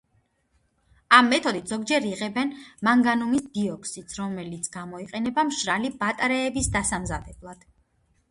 ამ მეთოდით ზოგჯერ იღებენ მანგანუმის დიოქსიდს, რომელიც გამოიყენება მშრალი ბატარეების დასამზადებლად.